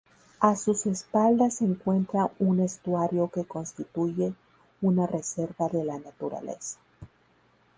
A sus espaldas se encuentra un estuario que constituye una reserva de la naturaleza.